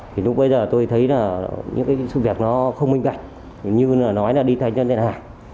thì lúc bây giờ tôi thấy là những cái việc nó không minh đạch như là nói là đi thành cho thế nào